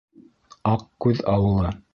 Аҡкүҙ ауылы.